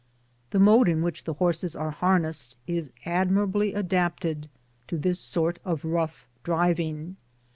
The mode in which the horses ^te harnessed is admirably adapted to this sort of rough driving.